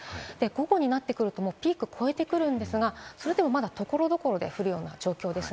午後になってくるとピークをこえてくるんですが、それでもまだ所々で降るような状況です。